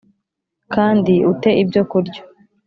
kandi ute ibyokurya